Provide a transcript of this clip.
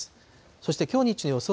そしてきょう日中の予想